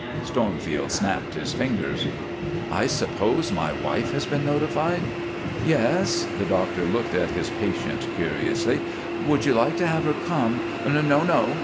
Stormfield snapped his fingers. "I suppose my wife has been notified?" "Yes." The doctor looked at his patient curiously. "Would you like to have her come " "No, no!"